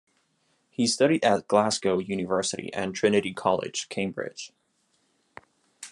He studied at Glasgow University and Trinity College, Cambridge.